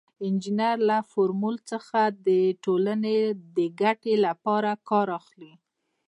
انجینر له فورمول څخه د ټولنې د ګټې لپاره کار اخلي.